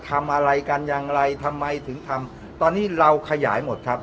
ทำอะไรกันอย่างไรทำไมถึงทำตอนนี้เราขยายหมดครับ